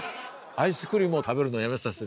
アイスクリームを食べるのをやめさせて。